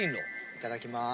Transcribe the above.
いただきます。